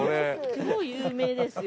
超有名ですよ。